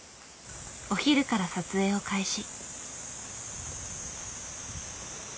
お昼から撮影を開始。